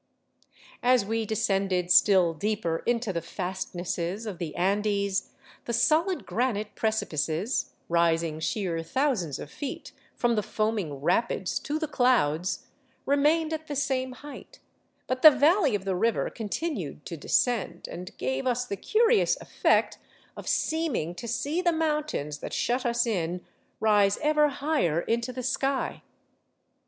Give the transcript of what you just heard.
As we descended still deeper into the fastnesses of the Andes, the solid granite precipices, rising sheer thousands of feet from the foam ing rapids to the clouds, remained at the same height ; but the valley of the river continued to descend, and gave us the curious effect of seem ing to see the mountains that shut us in rise ever higher into the sky.